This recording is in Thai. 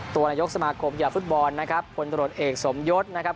นายกสมาคมกีฬาฟุตบอลนะครับคนตรวจเอกสมยศนะครับ